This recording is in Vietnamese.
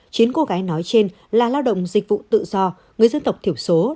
chín cô gái nói trên là lao động dịch vụ tự do người dân tộc thiểu số